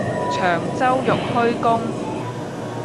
長洲玉虛宮